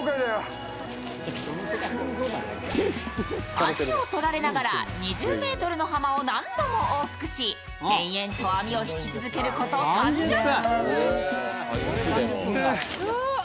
足を取られながら２０ｍの浜を何度も往復し、延々と網を引き続けること３０分。